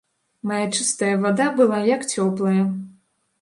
Мая чыстая вада была, як цёплая.